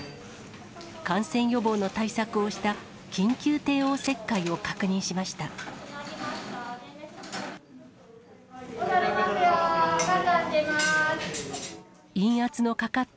感染予防の対策をした緊急帝王切開を確認しました。